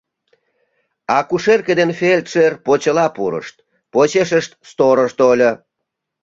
Акушерке ден фельдшер почела пурышт, почешышт сторож тольо.